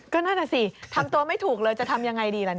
ก็นั่นสิทำตัวไม่ถูกเลยจะทำอย่างไรดีล่ะเนี่ย